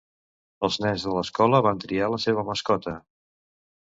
Els nens de l'escola van triar la seva mascota.